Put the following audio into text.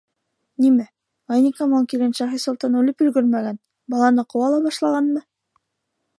—Нимә, Ғәйникамал килен Шаһисолтан үлеп өлгөрмәгән, баланы ҡыуа ла башлағанмы?